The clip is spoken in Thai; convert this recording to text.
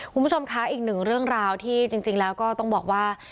คุณผู้ชมคะอีกหนึ่งเรื่องราวที่จริงแล้วก็ต้องบอกว่า